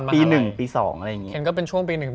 ปีนึงปีสอง